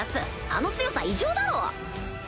あの強さ異常だろ！